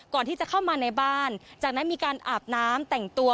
ก่อนที่จะเข้ามาในบ้านจากนั้นมีการอาบน้ำแต่งตัว